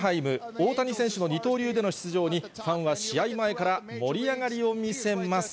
大谷選手の二刀流での出場に、ファンは試合前から盛り上がりを見せます。